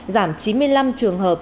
giảm chín mươi năm trường hợp